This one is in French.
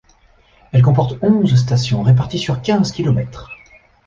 Elle comporte onze stations réparties sur quinze kilomètres.